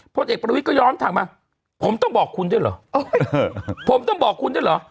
พลเอกประวิทย์ก็ย้อนถามมาผมต้องบอกคุณด้วยเหรอผมต้องบอกคุณด้วยเหรอ